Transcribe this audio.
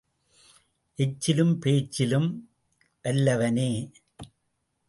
எச்சிலும் பேச்சிலும் வல்லவனே.